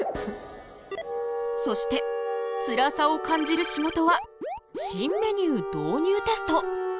そしてつらさを感じる仕事は新メニュー導入テスト。